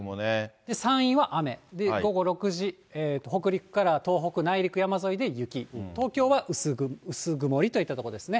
山陰は雨、午後６時、北陸から東北、内陸山沿いで雪、東京は薄曇りといったところですね。